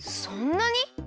そんなに？